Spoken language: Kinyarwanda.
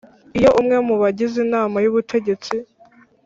Iyo umwe mu bagize Inama y ubutegetsi